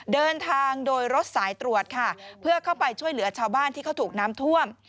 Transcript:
เดินทางโดยรถสายตรวจค่ะเพื่อเข้าไปช่วยเหลือชาวบ้านที่เขาถูกน้ำท่วม